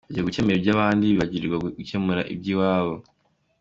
Bagiye gukemura iby’abandi bibagirwa gukemura iby’iwabo.